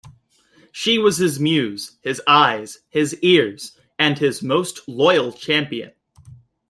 She was his muse, his eyes, his ears, and his most loyal champion.